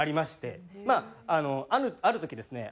まあある時ですね